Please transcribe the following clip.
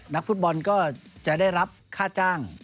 นักฟุตบอลก็จะได้รับค่าจ้าง